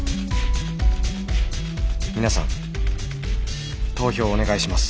「皆さん投票をお願いします」。